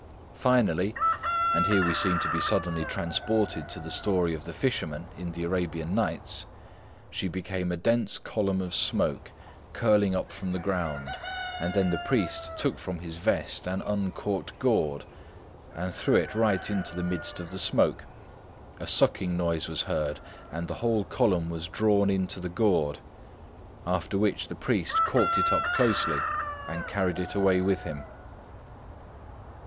Finally—and here we seem to be suddenly transported to the story of the fisherman in the Arabian Nights—she became a dense column of smoke curling up from the ground, and then the priest took from his vest an uncorked gourd, and threw it right into the midst of the smoke. A sucking noise was heard, and the whole column was drawn into the gourd; after which the priest corked it up closely, and carried it away with him.